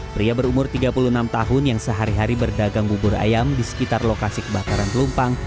pria berumur tiga puluh enam tahun yang sehari hari berdagang bubur ayam di sekitar lokasi kebakaran pelumpang